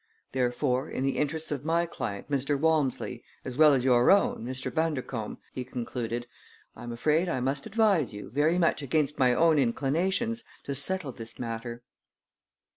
Therefore, in the interests of my client, Mr. Walmsley, as well as your own, Mr. Bundercombe," he concluded, "I am afraid I must advise you, very much against my own inclinations, to settle this matter."